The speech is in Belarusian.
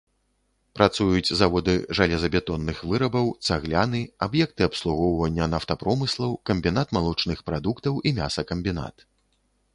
Працуюць заводы жалезабетонных вырабаў, цагляны, аб'екты абслугоўвання нафтапромыслаў, камбінат малочных прадуктаў і мясакамбінат.